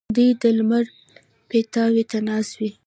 دوی د لمر پیتاوي ته ناست وي.